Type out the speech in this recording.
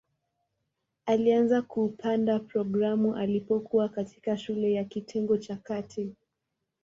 Alianza kuunda programu alipokuwa katikati shule ya kitengo cha kati.